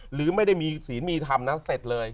หรือไม่ได้มีศีลมีธรรมนะเสร็จเลย